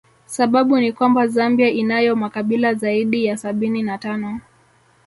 Sababu ni kwamba Zambia inayo makabila zaidi ya sabini na tano